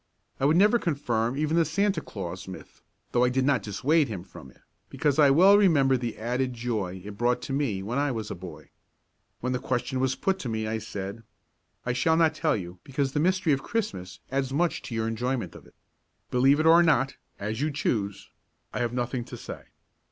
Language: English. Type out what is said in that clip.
I would never confirm even the Santa Claus myth, though I did not dissuade him from it, because I well remember the added joy it brought to me when I was a boy. When the question was put to me I said: "I shall not tell you because the mystery of Christmas adds much to your enjoyment of it. Believe it or not, as you choose; I have nothing to say."